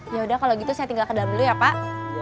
yaudah kalau gitu saya tinggal ke dalam dulu ya pak